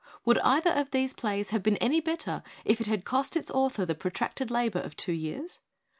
Would either of these plays have been any bet ter if it had cost its author the protracted labor of two years